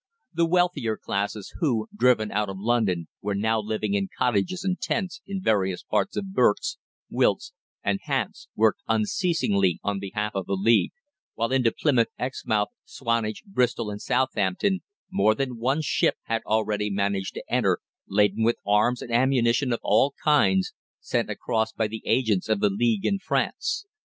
The wealthier classes, who, driven out of London, were now living in cottages and tents in various parts of Berks, Wilts, and Hants, worked unceasingly on behalf of the League, while into Plymouth, Exmouth, Swanage, Bristol, and Southampton more than one ship had already managed to enter laden with arms and ammunition of all kinds, sent across by the agents of the League in France.